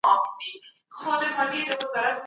څه شی زموږ د ژوند بنسټیز ارزښتونه ټاکي؟